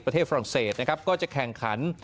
ฝรั่งเศสนะครับก็จะแข่งขัน